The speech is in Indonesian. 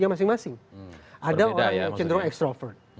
ada orang yang cenderung ekstrovert